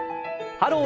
「ハロー！